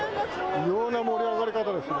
異様な盛り上がり方ですね。